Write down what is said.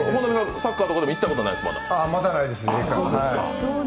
サッカーとかでも行ったことないですか？